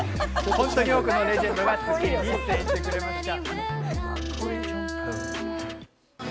本当に多くのレジェンドが出演してくれました。